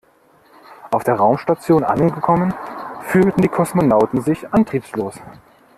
Auf der Raumstation angekommen fühlten die Kosmonauten sich antriebslos.